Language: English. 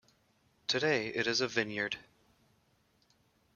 Today it is a vineyard.